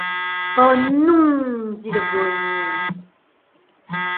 Oh! non, dit la bohémienne.